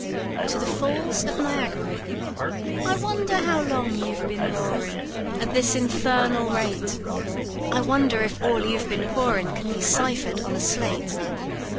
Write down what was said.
To The Falls Of Niagara. "I wonder how long you've been roarin' At this infernal rate; I wonder if all you've been pourin' Could be cipher'd on a slate.